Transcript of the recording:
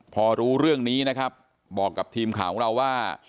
พอรู้เรื่องนี้นะครับบอกกับทีมข่าวของเราว่า